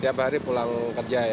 tiap hari pulang kerja ya